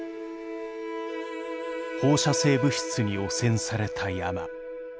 放射性物質に汚染された山。